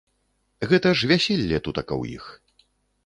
Гэта ж вяселле тутака ў іх.